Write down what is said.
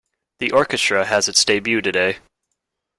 The orchestra has its debut today.